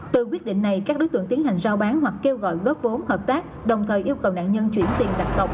từ quyết định này các đối tượng tiến hành giao bán hoặc kêu gọi góp vốn hợp tác đồng thời yêu cầu nạn nhân chuyển tiền đặt cọc